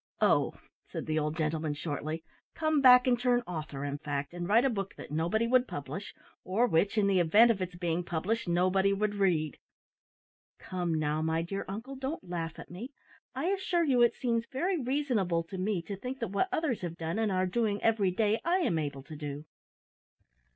"Oh," said the old gentleman, shortly; "come back and turn author, in fact, and write a book that nobody would publish, or which, in the event of its being published, nobody would read!" "Come, now, my dear uncle, don't laugh at me. I assure you it seems very reasonable to me to think that what others have done, and are doing every day, I am able to do."